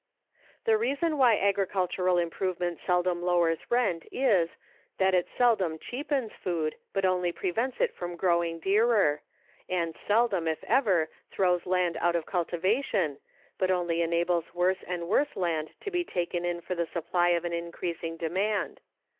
The reason why agricultural improvement seldom lowers rent is, that it seldom cheapens food, but only prevents it from growing dearer; and seldom, if ever, throws land out of cultivation, but only enables worse and worse land to be taken in for the supply of an increasing demand.